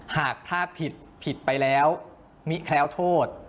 หากพลาดผิดผิดไปแล้วมิแคล้วโทษ